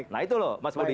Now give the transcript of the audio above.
nah itu loh mas budi